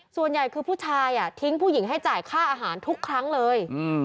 ส่วนใหญ่คือผู้ชายทิ้งผู้หญิงให้จ่ายค่าอาหารทุกครั้งเลย